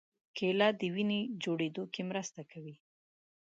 کېله د وینې جوړېدو کې مرسته کوي.